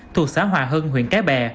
thuộc xã hòa hưng huyện cái bè